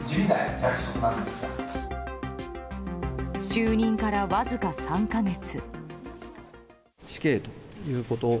就任から、わずか３か月。